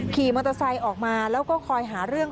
ขี่มอเตอร์ไซค์ออกมาแล้วก็คอยหาเรื่อง